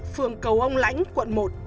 phường cầu ông lãnh quận một